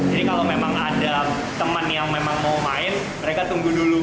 jadi kalau memang ada teman yang memang mau main mereka tunggu dulu